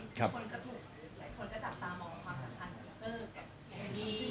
คนพอมาทำงานตรงนี้คนก็ถูกหลุด